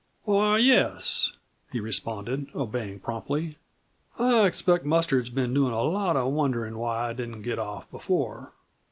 "Why, yes," he responded, obeying promptly; "I expect Mustard's been doin' a lot of wonderin' why I didn't get off before."